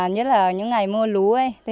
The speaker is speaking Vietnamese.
nhất là những ngày mưa lú